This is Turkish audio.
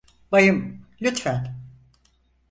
Bayım, lütfen.